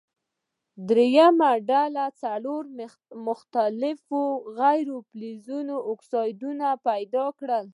دریمه ډله دې څلور مختلفو غیر فلزونو اکسایدونه پیداکړي.